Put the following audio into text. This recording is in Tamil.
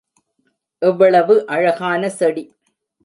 எவ்வளவு அழகான செடி!